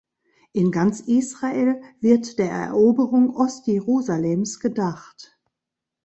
In ganz Israel wird der Eroberung Ostjerusalems gedacht.